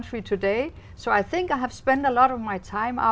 thịt này tôi có thể bỏ qua một ít đó